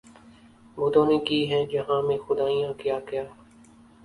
بتوں نے کی ہیں جہاں میں خدائیاں کیا کیا